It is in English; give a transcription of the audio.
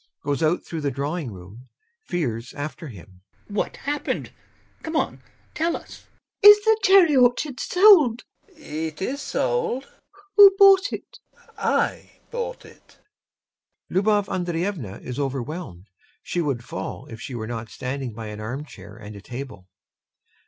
[Goes out through the drawing room; FIERS after him.] PISCHIN. What happened? Come on, tell us! LUBOV. Is the cherry orchard sold? LOPAKHIN. It is sold. LUBOV. Who bought it? LOPAKHIN. I bought it. [LUBOV ANDREYEVNA is overwhelmed; she would fall if she were not standing by an armchair and a table.